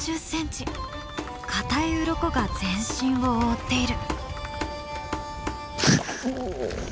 固いウロコが全身を覆っている。